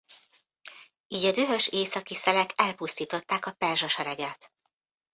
Így a dühös északi szelek elpusztították a perzsa sereget.